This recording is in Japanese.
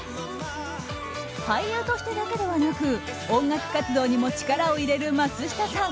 俳優としてだけでなく音楽活動にも力を入れる松下さん。